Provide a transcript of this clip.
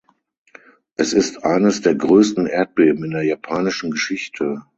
Es ist eines der größten Erdbeben in der japanischen Geschichte.